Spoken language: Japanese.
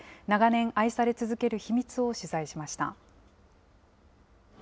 長年愛され続ける秘密を取材しました。